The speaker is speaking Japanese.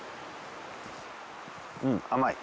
うん甘い。